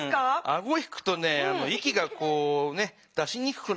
アゴ引くとね息がこうね出しにくくなるから。